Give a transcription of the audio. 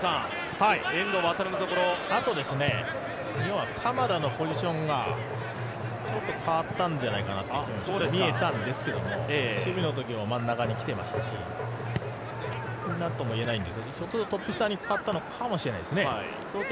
遠藤航のところあとは鎌田のポジションがちょっと変わったんじゃないかなと見えたんですけど守備のときも真ん中に来ていましたし、何とも言えないんですが、ひょっとするとトップ下にかかったのかもしれないですね。